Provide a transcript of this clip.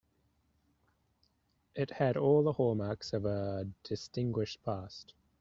It had all the hallmarks of a distinguished past.